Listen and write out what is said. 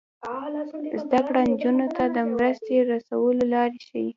زده کړه نجونو ته د مرستې رسولو لارې ښيي.